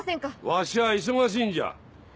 わしゃ忙しいんじゃ。